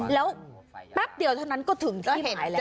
แล้วแป๊บเดียวเพราะฉะนั้นท่านก็จะเจอที่ไหนแล้ว